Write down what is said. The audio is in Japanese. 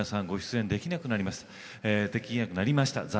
ご出演できなくなりました。